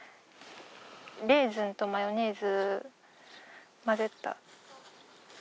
レーズンとマヨネーズ混ぜた。